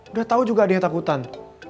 udah tahu juga ada yang takutan